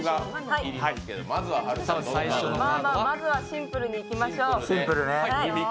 まずはシンプルにいきましょう。